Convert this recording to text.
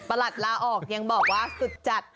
หลัดลาออกยังบอกว่าสุดจัด